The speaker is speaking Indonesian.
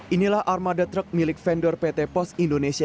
inilah armada truk milik vendor pt pos indonesia